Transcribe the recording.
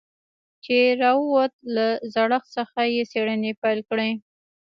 چې راووت له زړښت څخه يې څېړنې پيل کړې.